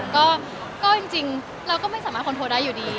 ก็จริงเราก็ไม่สามารถคอนโทรได้อยู่ดี